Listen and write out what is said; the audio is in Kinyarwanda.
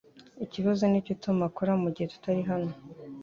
Ikibazo nicyo Tom akora mugihe tutari hano